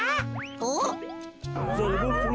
おっ？